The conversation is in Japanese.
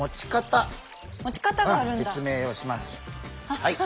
はい。